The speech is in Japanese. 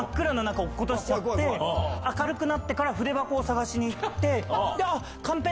明るくなってから筆箱を捜しに行って。